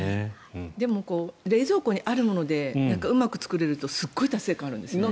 でも冷蔵庫にあるもんでうまく作れるとすごい達成感があるんですよね。